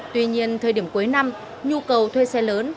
tuy nhiên thời điểm cuối năm nhu cầu thuê xe lớn